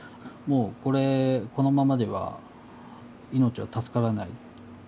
もうこれこのままでは命は助からない。